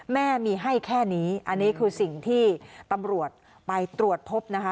แม่มีให้แค่นี้อันนี้คือสิ่งที่ตำรวจไปตรวจพบนะคะ